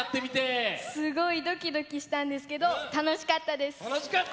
すごいドキドキしたんですけど楽しかったです。